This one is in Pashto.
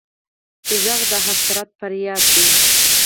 غږ د حسرت فریاد دی